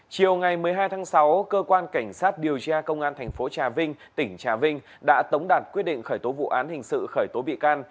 chiều ngày một mươi hai tháng sáu cơ quan cảnh sát điều tra công an thành phố trà vinh tỉnh trà vinh đã tống đạt quyết định khởi tố vụ án hình sự khởi tố bị can